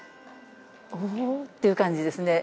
「おお！」っていう感じですね。